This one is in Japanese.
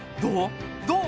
どう？